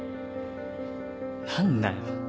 何だよ？